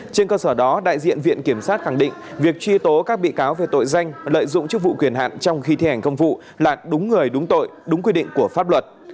trên cơ sở đó đại diện viện kiểm sát khẳng định việc truy tố các bị cáo về tội danh lợi dụng chức vụ quyền hạn trong khi thi hành công vụ là đúng người đúng tội đúng quy định của pháp luật